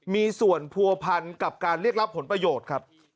มีส่วนผัวพันกับการเรียกรับผลประโยชน์ครับ